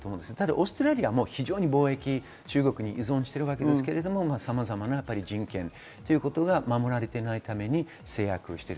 オーストラリアも非常に貿易、中国に依存していますが、さまざまな人権ということが守られていないために制約をしている。